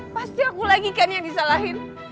pasti aku lagi kan yang disalahin